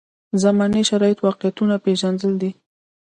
زمانې شرایط واقعیتونه پېژندل دي.